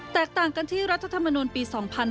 แตกต่างกันที่รัฐธรรมนุนปี๒๕๕๙